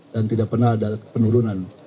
tidak pernah ada penurunan